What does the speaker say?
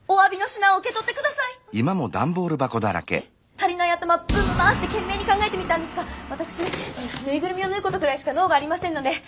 足りない頭ブン回して懸命に考えてみたんですがわたくしめぬいぐるみを縫うことぐらいしか能がありませんので。